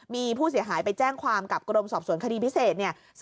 มีผู้เสียหายไปแจ้งความกับกรมสอบสวนคดีพิเศษเนี่ย